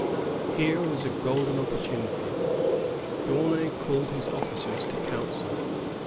Here was a golden opportunity. D'Aunay called his officers to council.